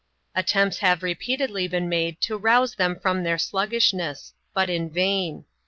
\\ Attempts have repeatedly been made to rouse them from their sluggishness ; but in vain.